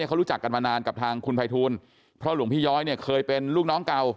เขารู้จักกันมานานกับทางคุณภัยทูลเพราะหลวงพี่ย้อยเนี่ยเคยเป็นลูกน้องเก่า